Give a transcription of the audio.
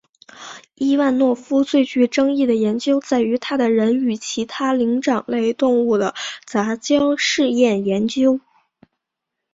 伊万诺夫最具争议的研究在于他的人与其他灵长类动物的杂交试验研究。